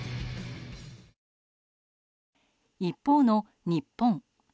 一方の日本。